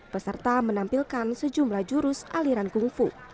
peserta menampilkan sejumlah jurus aliran gungfu